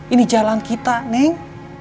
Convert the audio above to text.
ini jalan kita neng